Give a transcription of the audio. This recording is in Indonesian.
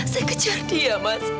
saya kejar dia mas